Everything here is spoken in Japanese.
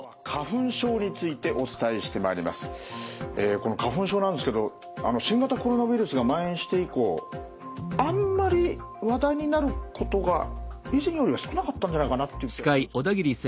この花粉症なんですけど新型コロナウイルスがまん延して以降あんまり話題になることが以前よりは少なかったんじゃないかなという気はするんですけど。